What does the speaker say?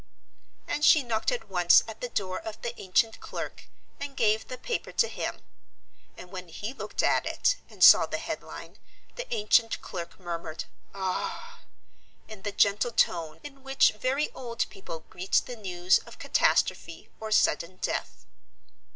And she knocked at once at the door of the ancient clerk and gave the paper to him; and when he looked at it and saw the headline the ancient clerk murmured, "Ah!" in the gentle tone in which very old people greet the news of catastrophe or sudden death.